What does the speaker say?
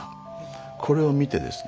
これを見てですね